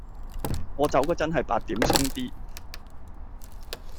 我走嗰陣係八點鬆啲